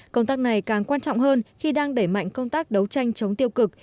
công tác này càng quan trọng hơn khi đang đẩy mạnh công tác đấu tranh chống tiêu cực